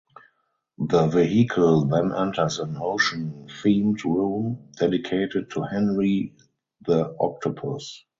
The vehicle then enters an ocean themed room dedicated to Henry the Octopus.